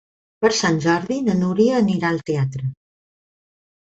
Per Sant Jordi na Núria anirà al teatre.